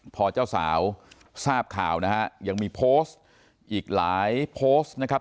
พอเจ้าสาวทราบข่าวนะฮะยังมีโพสต์อีกหลายโพสต์นะครับ